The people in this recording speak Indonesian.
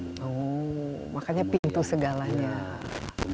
oh makanya pintu segalanya